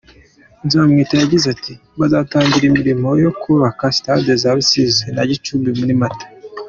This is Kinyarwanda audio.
Nzamwita yagize ati “Bazatangira imirimo yo kubaka stade za Rusizi na Gicumbi muri Mata.